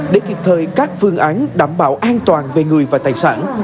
để kịp thời các phương án đảm bảo an toàn về người và tài sản